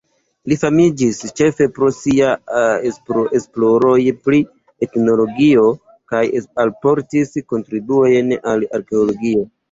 Li famiĝis ĉefe pro siaj esploroj pri etnologio kaj alportis kontribuojn al arkeologio.